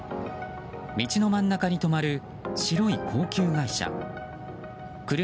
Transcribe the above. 道の真ん中に止まる白い高級外車。